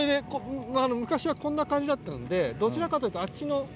昔はこんな感じだったんでどちらかというとあっちの。